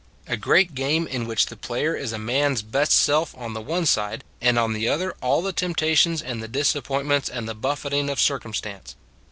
A great game in which the player is a man s best self on the one side, and on the other all the temptations and the disappointments and the buffeting of cir cumstance.